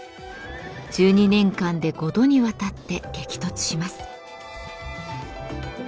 １２年間で５度にわたって激突します。